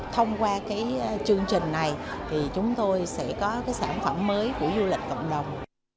thông qua chương trình này chúng tôi sẽ có sản phẩm mới của du lịch cộng đồng